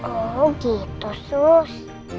oh gitu sus